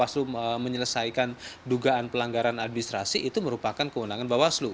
jadi persoalan kewenangan bawaslu menyelesaikan dugaan pelanggaran administrasi itu merupakan kewenangan bawaslu